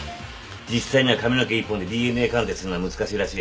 実際には髪の毛１本でＤＮＡ鑑定するのは難しいらしい。